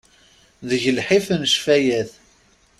Deg llḥif n ccfayat.